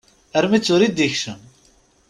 Armi d tura i d-ikcem.